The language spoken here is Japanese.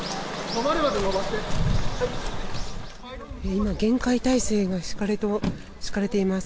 今、厳戒態勢が敷かれています。